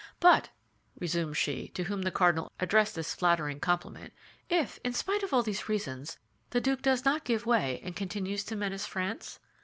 "But," resumed she to whom the cardinal addressed this flattering compliment, "if, in spite of all these reasons, the duke does not give way and continues to menace France?"